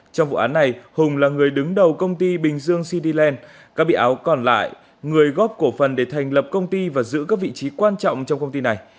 trong vụ án này hùng là người đứng đầu công ty bình dương cityland các bị áo còn lại người góp cổ phần để thành lập công ty và giữ các vị trí quan trọng trong công ty này